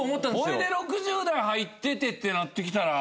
これで６０代入っててってなってきたら。